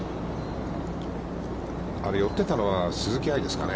あれ、寄ってたのは鈴木愛でしたかね。